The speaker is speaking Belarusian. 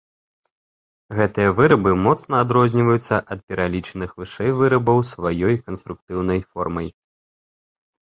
Гэтыя вырабы моцна адрозніваюцца ад пералічаных вышэй вырабаў сваёй канструктыўнай формай.